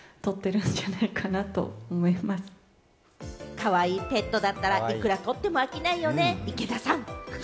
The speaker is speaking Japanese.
かわいいペットだったら、いくら撮っても飽きないよね、池田さん！